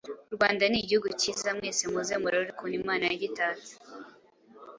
U Rwanda ni Igihugu kiza, mwese muze murore ukuntu Imana yagitatse